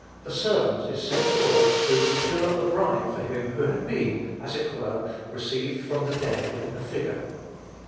the servant is sent forth to procure a bride for him who had been, as it were, received from the dead in a figure.